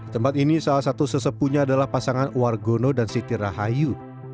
tempat ini salah satu sesepunya adalah pasangan wargono dan siti rahayu